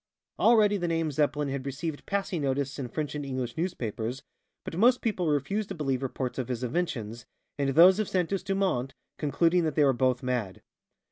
Already the name Zeppelin had received passing notice in French and English newspapers, but most people refused to believe reports of his inventions, and those of Santos Dumont, concluding that they were both mad.